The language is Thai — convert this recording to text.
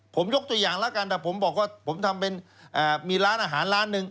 ผมยกตัวอย่างแล้วกันแต่ผมบอกว่าผมทำเป็นมีร้านอาหารร้านหนึ่ง